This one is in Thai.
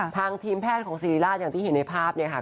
ทางทีมแพทย์ของศิริราชอย่างที่เห็นในภาพเนี่ยค่ะ